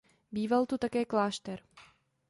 Býval tu také klášter.